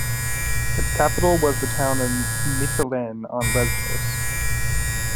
Its capital was the town of Mytilene, on Lesbos.